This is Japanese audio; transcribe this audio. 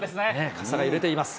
傘が揺れています。